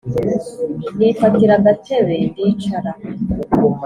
nifatira agatebe ndicara